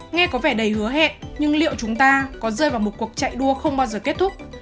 nghe có vẻ đầy hứa hẹn nhưng liệu chúng ta có rơi vào một cuộc chạy đua không bao giờ kết thúc